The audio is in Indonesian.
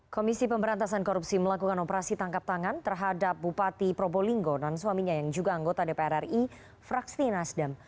komisi pemberantasan korupsi melakukan operasi tangkap tangan terhadap bupati probolinggo dan suaminya yang juga anggota dpr ri fraksi nasdem